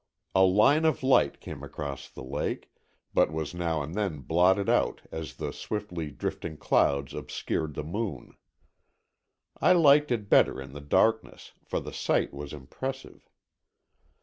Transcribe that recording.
A line of light came across the lake, but was now and then blotted out as the swiftly drifting clouds obscured the moon. I liked it better in the darkness, for the sight was impressive.